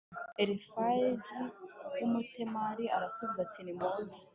Elifazi w Umutemani arasubiza ati nimuze